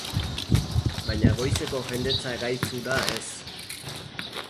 Baina goizeko jendetza gaitz hura ez.